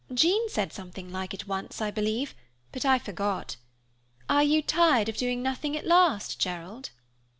Jean said something like it once, I believe, but I forgot. Are you tired of doing nothing, at last, Gerald?"